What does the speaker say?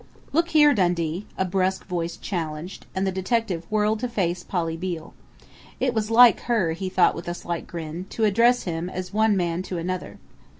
"Look here, Dundee!" a brusque voice challenged, and the detective whirled to face Polly Beale. It was like her, he thought with a slight grin, to address him as one man to another....